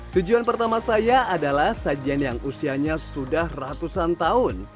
tujuan pertama saya adalah sajian yang usianya sudah ratusan tahun